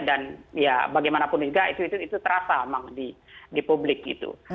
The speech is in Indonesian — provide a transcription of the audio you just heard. dan bagaimanapun juga itu terasa memang di publik gitu